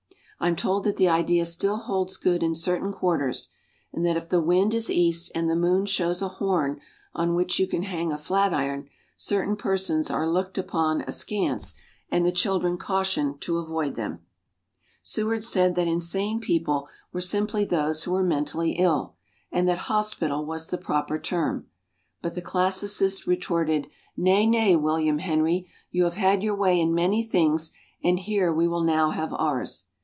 I'm told that the idea still holds good in certain quarters, and that if the wind is east and the moon shows a horn on which you can hang a flatiron, certain persons are looked upon askance and the children cautioned to avoid them. Seward said that insane people were simply those who were mentally ill, and that "Hospital" was the proper term. But the classicists retorted, "Nay, nay, William Henry, you have had your way in many things and here we will now have ours."